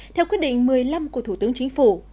theo quyết định một mươi năm của thủ tướng chính phủ